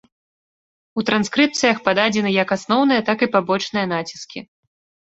У транскрыпцыях пададзены як асноўныя, так і пабочныя націскі.